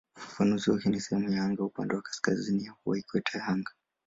Ufafanuzi wake ni "sehemu ya anga upande wa kaskazini wa ikweta ya anga".